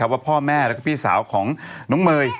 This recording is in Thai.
ว่าพ่อแม่แล้วก็พี่สาวของน้องเมย์